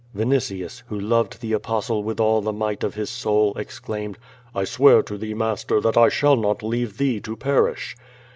Vinitius, who loved the Apostle with all the might of his soul, exclaimed: "I swear to thee, master, that I shall not leave thee to peridi."